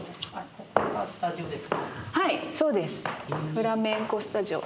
フラメンコスタジオ。